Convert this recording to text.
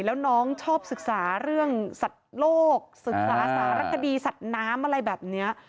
แล้วน้องชอบศึกษาเรื่องสัตว์โลกศึกษาสารคดีสัตว์น้ำอะไรแบบนี้